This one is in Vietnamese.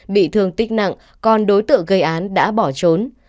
bị thương tích nặng còn đối tượng gây án đã bỏ trốn